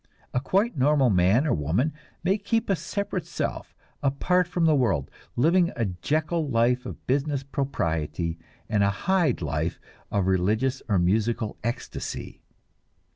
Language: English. A quite normal man or woman may keep a separate self, apart from the world, living a Jekyll life of business propriety and a Hyde life of religious or musical ecstasy.